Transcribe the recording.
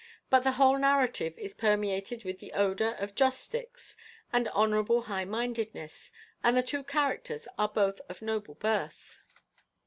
But the whole narrative is permeated with the odour of joss sticks and honourable high mindedness, and the two characters are both of noble birth."